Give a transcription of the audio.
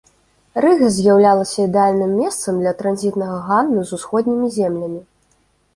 Рыга з'яўлялася ідэальным месцам для транзітнага гандлю з усходнімі землямі.